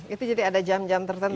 itu jadi ada jam jam tertentu